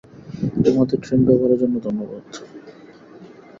আমাদের ট্রেন ব্যবহারের জন্য ধন্যবাদ।